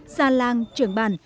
sa lan trưởng bàn